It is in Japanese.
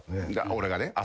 俺がね朝。